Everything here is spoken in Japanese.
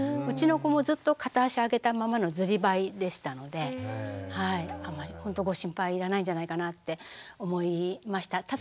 うちの子もずっと片足上げたままのずりばいでしたのでほんとご心配いらないんじゃないかなって思いました。